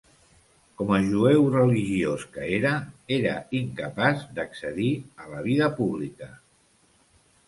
Com a jueu religiós que era, era incapaç d'accedir a la vida pública.